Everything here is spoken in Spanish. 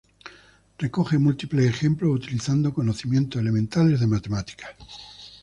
Recoge múltiples ejemplos utilizando conocimientos elementales de matemática.